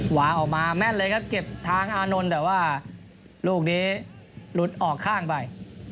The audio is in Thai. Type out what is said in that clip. วางออกมาแม่นเลยครับเก็บทางอานนท์แต่ว่าลูกนี้หลุดออกข้างไป